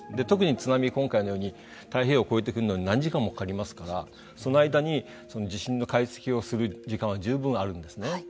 特に津波今回のように太平洋を超えてくるのに何時間もかかりますからその間に地震の解析をする時間は十分にあるんですね。